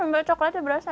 enak coklatnya berasa ya